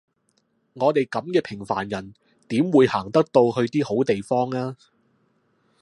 我哋噉嘅平凡人點會行得到去啲好地方呀？